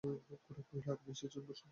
গোরা কহিল, এই-যে, আপনি এসেছেন–বসুন।